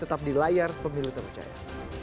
tetap di layar pemilu terpercaya